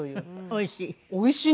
おいしい？